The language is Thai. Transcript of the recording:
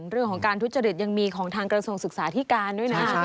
เรื่องของการทุจริตยังมีของทางกระทรวงศึกษาที่การด้วยนะ